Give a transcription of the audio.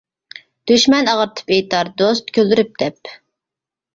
دۈشمەن ئاغرىتىپ ئېيتار، دوست كۈلدۈرۈپ دەپ.